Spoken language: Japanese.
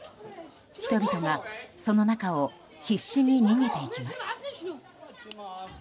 人々がその中を必死に逃げていきます。